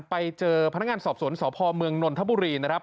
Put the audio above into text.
ไปเจอพนักงานสอบสวนสพเมืองนนทบุรีนะครับ